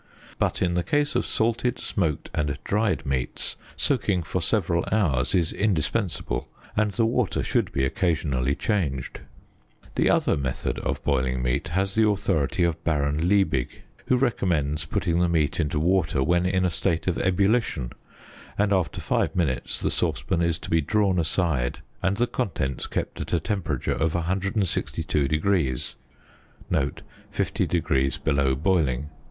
But in the case of salted, smoked and dried meats soaking for several hours is indispensable, and the water should be occasionally changed. The other method of boiling meat has the authority of Baron Liebig, who recommends putting the meat into water when in a 'state of ebullition, and after five minutes the saucepan is to be drawn aside, and the contents kept at a temperature of 162 (50┬░ below boiling).